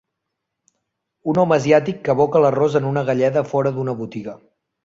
Un home asiàtic que aboca l'arròs en una galleda fora d'una botiga.